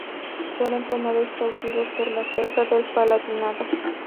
Fueron tomados cautivos por las fuerzas del Palatinado.